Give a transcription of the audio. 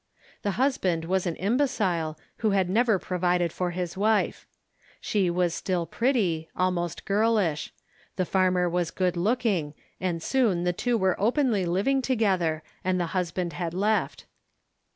The husband was an imbecile who had never provided for his wife. She was still pretty, al most girlish the farmer was good looking, and soon the two were openly living together and the husband had left.